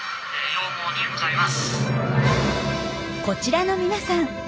こちらの皆さん